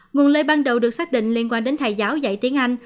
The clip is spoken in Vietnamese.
nguồn lây ban đầu được xác định liên quan đến thầy giáo dạy tiếng anh